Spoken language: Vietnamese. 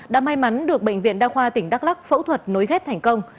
đã may mắn được bệnh viện đa khoa tỉnh đắk lắc phẫu thuật nối ghép thành công